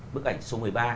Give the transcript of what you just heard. bức ảnh số một mươi ba